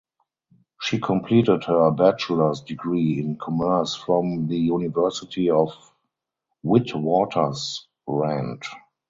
She completed her Bachelor’s degree in commerce from the University of Witwatersrand.